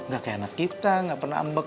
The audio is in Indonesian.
masa kita ga pernah ambek